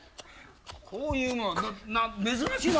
こういうものは珍しいな。